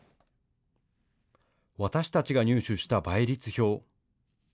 私たちが入手した倍率表。